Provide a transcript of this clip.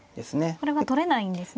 これは取れないんですね。